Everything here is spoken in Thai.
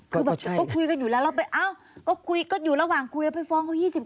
ก็คุยกันอยู่แล้วเราไปเอ้าก็คุยกันอยู่ระหว่างคุยแล้วไปฟ้องเขา๒๐กว่านาที